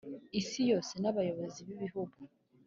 isi yose n abayobozi b ibihugu